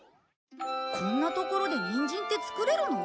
こんなところでニンジンって作れるの？